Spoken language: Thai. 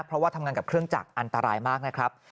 เพราะว่าทำงานกับเครื่องจักรอันตรายมากนะครับ